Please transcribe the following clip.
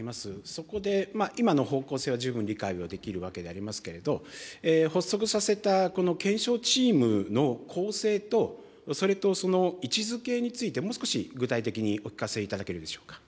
そこで、今の方向性は十分理解はできるわけでありますけれど、発足させたこの検証チームの構成と、それとその位置づけについて、もう少し具体的にお聞かせいただけるでしょうか。